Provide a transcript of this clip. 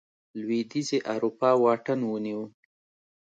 لوېدیځې اروپا واټن ونیو.